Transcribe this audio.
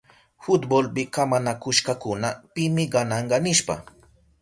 Fultbolpi kamanakushkakuna pimi gananka nishpa.